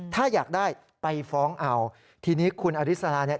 ถ้าอยากได้ไปฟ้องเอาทีนี้คุณอริสราเนี่ย